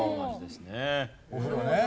お風呂ね。